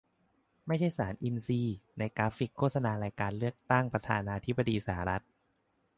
ไม่ใช่ สาร"อินทรีย์" - ในกราฟิกโฆษณารายการเลือกตั้งประธานาธิบดีสหรัฐ